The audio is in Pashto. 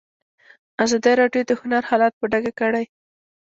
ازادي راډیو د هنر حالت په ډاګه کړی.